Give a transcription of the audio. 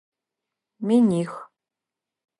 Миних.